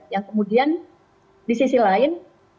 yang kemudian di sisi lain